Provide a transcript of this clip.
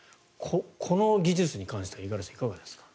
この技術に関しては五十嵐さんいかがですか？